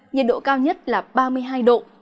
nhiệt độ cao nhất là ba mươi hai độ